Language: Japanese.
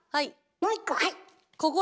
もう一個はい。